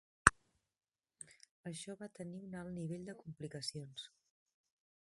Això va tenir un alt nivell de complicacions.